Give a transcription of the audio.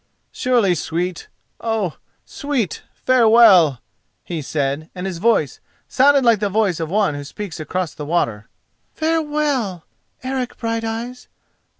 "Surely, sweet. Oh, sweet, farewell!" he said, and his voice sounded like the voice of one who speaks across the water. "Farewell, Eric Brighteyes!